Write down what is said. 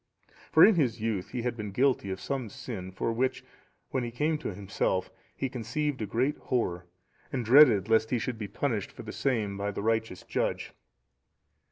For in his youth he had been guilty of some sin for which, when he came to himself, he conceived a great horror, and dreaded lest he should be punished for the same by the righteous Judge.